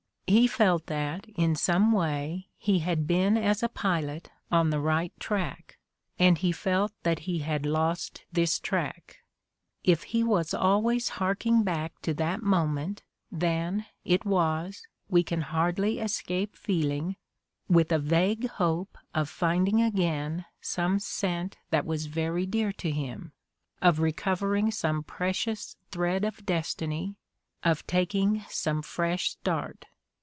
He felt that, in some way, he had been as a pilot on the right track ; and he felt that he had lost this track. If he was always harking back to that moment, then, it was, we can hardly escape feeling, with a vague hope of finding again some scent that was very dear to him, of recovering some precious thread of destiny, of taking some fresh start.